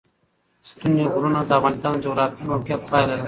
ستوني غرونه د افغانستان د جغرافیایي موقیعت پایله ده.